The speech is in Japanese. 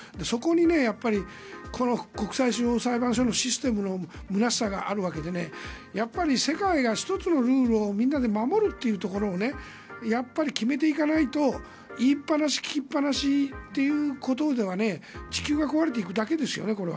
そこにこの国際司法裁判所のシステムの空しさがあるわけで世界が１つのルールをみんなで守るというところをやっぱり決めていかないと言いっぱなし聞きっぱなしということでは地球が壊れていくだけですよね